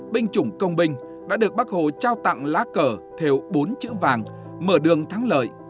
binh chủng công binh đã được bác hồ trao tặng lá cờ theo bốn chữ vàng mở đường thắng lợi